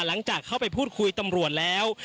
หลังจากเข้าไปพูดคุยตำรวจแล้ว